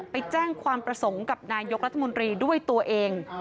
ไปแจ้งความประสงค์กับนายกรัฐมนตรีด้วยตัวเอง